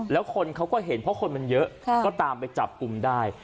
แล้วคนเขาก็เห็นเพราะคนมันเยอะก็ตามไปจับกลุ่มได้